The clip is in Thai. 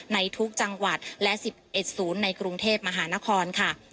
ในทุกจังหวัดและ๑๑๐ในกรุงเทพมหานครค่ะ